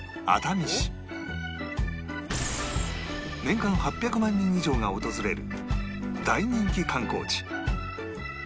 年間８００万人以上が訪れる大人気観光地